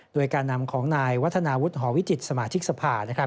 โดยการนำของนายวัฒนาวุฒิหอวิจิตสมาชิกสภา